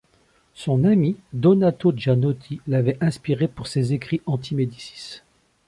Son ami, Donato Giannoti, l'avait inspiré pour ses écrits anti Médicis.